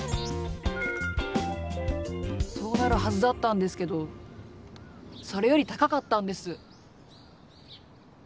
そうなるはずだったんですけどそれより高かったんです。